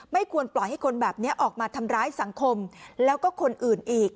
ไม่ควรปล่อยให้คนแบบนี้ออกมาทำร้ายสังคมแล้วก็คนอื่นอีก